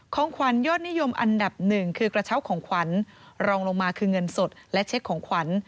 ของขวัญยอดนิยมอันดับหนึ่งคือกระเช้าของขวัญรองลงมาคือเงินสดและเช็คของขวัญ